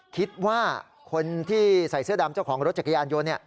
คิดว่าคนที่ใส่เสื้อดำเจ้าของรถจักรยานยนต์